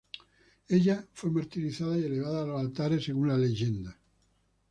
Ella fue martirizada y elevada a los altares, según la leyenda.